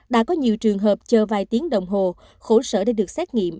đã có nhiều trường hợp chờ vài tiếng đồng hồ khổ sở để được xét nghiệm